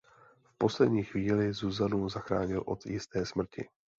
V poslední chvíli Zuzanu zachránil od jisté smrti.